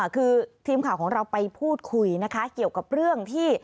คือทีมข่าวของเราไปพูดคุยนะคะเกี่ยวกับเรื่องที่